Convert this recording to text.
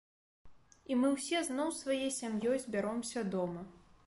І мы ўсе зноў сваёй сям'ёй збяромся дома.